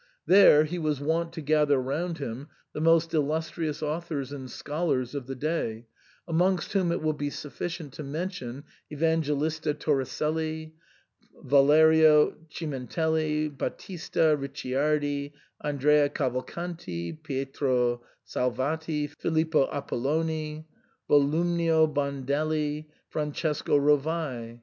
There he was wont to gather round him the most illustrious authors and scholars of the day, amongst whom it will be suf ficient to mention Evangelista Toricelli,* Valerio Chimentelli, Battista Ricciardi, Andrea Cavalcanti, Pietro Salvati, Filippo Apolloni, Volumnio Bandelli, Francesco Rovai.